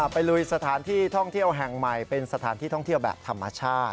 ลุยสถานที่ท่องเที่ยวแห่งใหม่เป็นสถานที่ท่องเที่ยวแบบธรรมชาติ